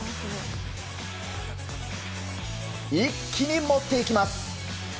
一気に持っていきます。